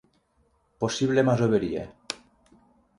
Possible masoveria.